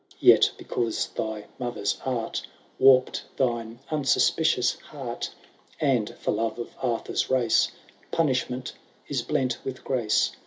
. Yet, because thy mother^ art Warped thine unsuspicious heart, And for love of Arthur's race. Punishment is blent with grace.